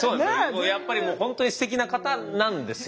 やっぱりもう本当にすてきな方なんですよ。